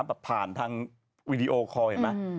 แบบผ่านทางวีดีโอคอลเห็นไหม